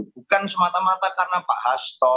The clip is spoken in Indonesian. bukan semata mata karena pak hasto